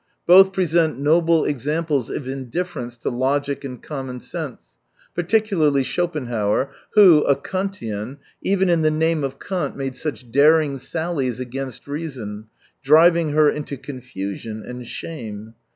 Both present noble examples of indifference to logic and common sense : particularly Schopenhauer, who, a Kantian, even in the name of Kant made such daring sallies against reason, driving her into confusion and shame.